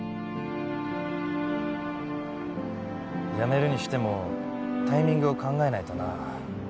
辞めるにしてもタイミングを考えないとな。